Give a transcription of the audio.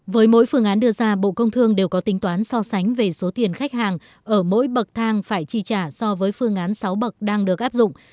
với mỗi phương án đưa ra bộ công thương đều có tính toán so sánh về số tiền khách hàng ở mỗi bậc thang phải chi trả so với phương án sáu bậc đang được áp dụng